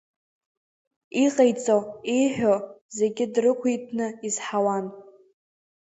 Иҟаиҵо, ииҳәо зегьы дрықәиҭны изҳауан.